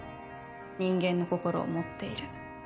人間の心を持っている。